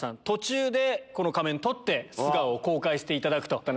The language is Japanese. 途中でこの仮面取って素顔を公開していただくと。